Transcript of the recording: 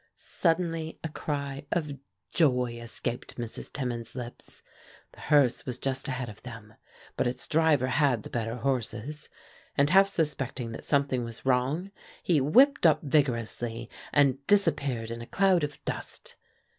Suddenly a cry of joy escaped Mrs. Timmins's lips. The hearse was just ahead of them; but its driver had the better horses, and half suspecting that something was wrong, he whipped up vigorously and disappeared in a cloud of dust.